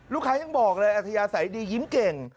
ลูกค้ายังบอกเลยอธยาศัยดียิ้มเก่ง